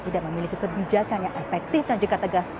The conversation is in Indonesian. tidak memiliki kebijakan yang efektif dan juga tegas